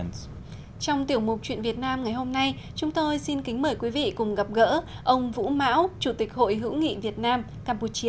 trong tiểu mục chuyện việt nam ngày hôm nay chúng tôi xin kính mời quý vị cùng gặp gỡ ông vũ mão chủ tịch hội hữu nghị việt nam campuchia